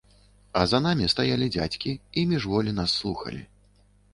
А за намі стаялі дзядзькі і міжволі нас слухалі.